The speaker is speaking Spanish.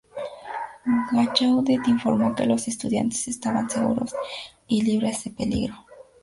Gallaudet informó que los estudiantes estaban seguros y libres de peligro.